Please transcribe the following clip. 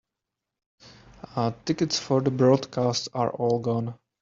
Tickets for the broadcast are all gone.